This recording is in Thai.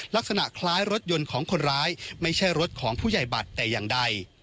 ลักษณะคล้ายรถยนต์ของคนร้ายไม่ใช่รถของผู้ใหญ่บัตรแต่อย่างใด